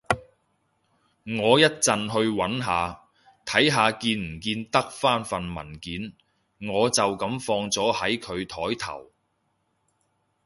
我一陣去搵下，睇下見唔見得返份文件，我就噉放咗喺佢枱頭